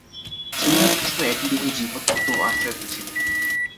শ্রীরামকৃষ্ণ একই দেহে জীবন্মুক্ত ও আচার্য ছিলেন।